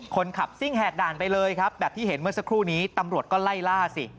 คนขับซิ่งแหกด่านไปเลยครับแบบที่เห็นเมื่อสักครู่นี้ตำรวจก็ไล่ล่าสิ